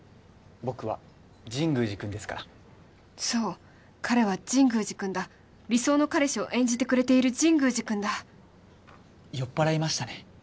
僕は神宮寺君ですからそう彼は神宮寺君だ理想の彼氏を演じてくれている神宮寺君だ酔っ払いましたね